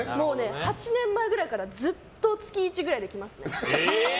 ８年前ぐらいからずっと月１できますね。